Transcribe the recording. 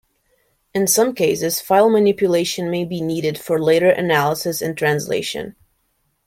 In some cases, file manipulation may be needed for later analysis and translation.